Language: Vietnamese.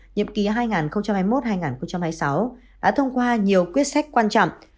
nhiệm ký hai nghìn hai mươi một hai nghìn hai mươi sáu đã thông qua nhiều quyết sách quan trọng